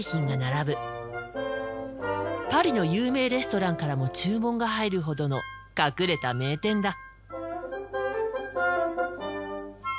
パリの有名レストランからも注文が入るほどの隠れた名店だ。